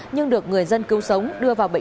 nhưng được người dân cứu sống đưa vào bệnh